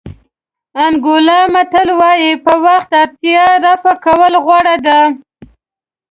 انګولا متل وایي په وخت اړتیا رفع کول غوره دي.